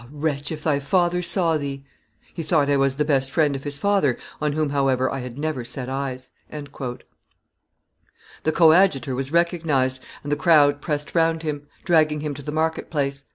wretch, if thy father saw thee!' He thought I was the best friend of his father, on whom, however, I had never set eyes." [Illustration: "Ah, Wretch, if thy Father saw thee!" 354] The coadjutor was recognized, and the crowd pressed round him, dragging him to the market place.